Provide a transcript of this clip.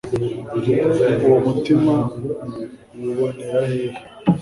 uwo mutina wubonera hehe